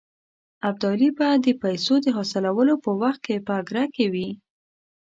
ابدالي به د پیسو د حاصلولو په وخت کې په اګره کې وي.